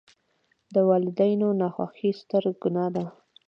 د والداینو ناخوښي ستره ګناه ده.